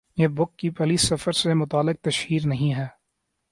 یہ بُک کی پہلی سفر سے متعلقہ تشہیر نہیں ہے